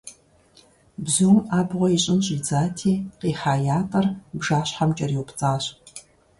Бзум абгъуэ ищӏын щӏидзати, къихьа ятӏэр бжащхьэм кӏэриупцӏащ.